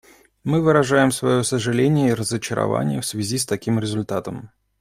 Мы выражаем свое сожаление и разочарование в связи с таким результатом.